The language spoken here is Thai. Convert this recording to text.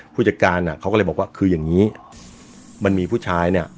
ผู้จัดการอ่ะเขาก็เลยบอกว่าคืออย่างนี้มันมีผู้ชายเนี่ย